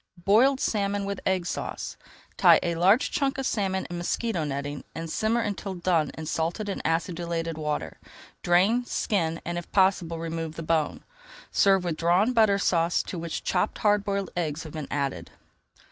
BOILED SALMON WITH EGG SAUCE Tie a large chunk of salmon in mosquito netting and simmer until done in salted and acidulated water. Drain, skin, and, if possible, remove the bone. Serve with Drawn Butter Sauce to which chopped hard boiled eggs have been added.